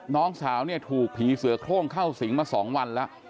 น้องสาวเนี่ยถูกผีเสือโครงเข้าสิงมา๒วันแล้ว